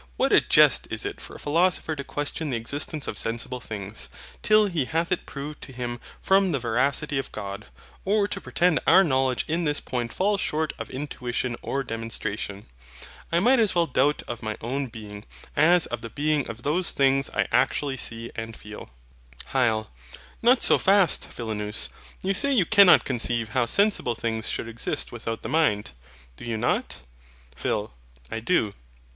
What a jest is it for a philosopher to question the existence of sensible things, till he hath it proved to him from the veracity of God; or to pretend our knowledge in this point falls short of intuition or demonstration! I might as well doubt of my own being, as of the being of those things I actually see and feel. HYL. Not so fast, Philonous: you say you cannot conceive how sensible things should exist without the mind. Do you not? PHIL. I do.